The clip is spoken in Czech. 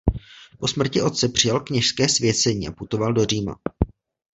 Po smrti otce přijal kněžské svěcení a putoval do Říma.